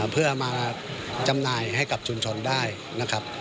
เพื่อมาจำหน่ายให้กับชุมชนได้นะครับ